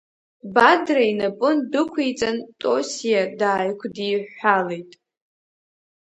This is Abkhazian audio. Бадра инапы ндәықәиҵан, Тосиа дааигәдиҳәҳәалеит.